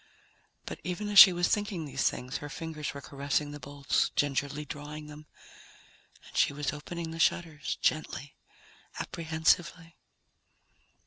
But even as she was thinking these things, her fingers were caressing the bolts, gingerly drawing them, and she was opening the shutters gently, apprehensively.